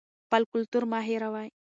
خپل کلتور مه هېروئ.